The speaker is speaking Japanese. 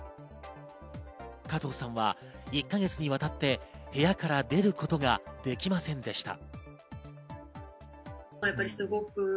加藤さんは１か月にわたって部屋から出ることができませんでした。